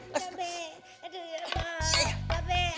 gua sudah mandi